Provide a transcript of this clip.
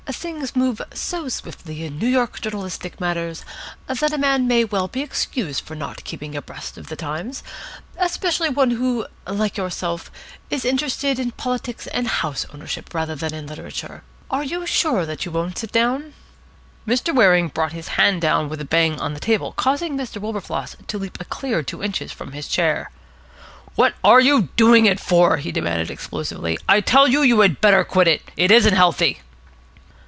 Things move so swiftly in New York journalistic matters that a man may well be excused for not keeping abreast of the times, especially one who, like yourself, is interested in politics and house ownership rather than in literature. Are you sure you won't sit down?" Mr. Waring brought his hand down with a bang on the table, causing Mr. Wilberfloss to leap a clear two inches from his chair. "What are you doing it for?" he demanded explosively. "I tell you, you had better quit it. It isn't healthy."